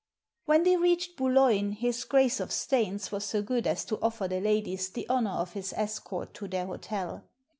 When they reached Boulogne, his Grace of Staines was so good as to offer the ladies the honour of his escort to their hotel.